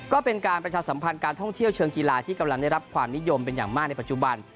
ก็เป็นการประชาสัมพันธ์การท่องเที่ยวเชิงกีฬาที่กำลังได้รับความนิยมเป็นอย่างมากในปัจจุบัน